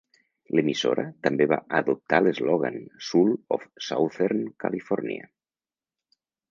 L'emissora també va adoptar l'eslògan "Soul of Southern California".